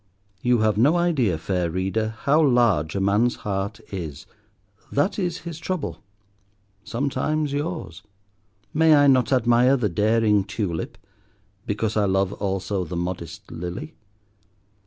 You have no idea, fair Reader, how large a man's heart is: that is his trouble—sometimes yours. May I not admire the daring tulip, because I love also the modest lily?